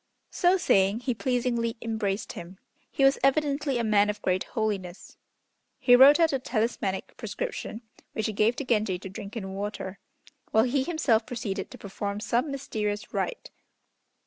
So saying, he pleasingly embraced him. He was evidently a man of great holiness. He wrote out a talismanic prescription, which he gave to Genji to drink in water, while he himself proceeded to perform some mysterious rite.